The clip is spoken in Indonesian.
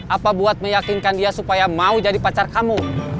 apa buat meyakinkan dia supaya mau jadi pacar kamu